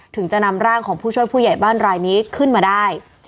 ถึงจะนำร่างของผู้ช่วยผู้ใหญ่บ้านรายนี้ขึ้นมาได้